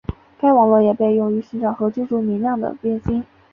该网络也被用于寻找和追逐明亮的变星。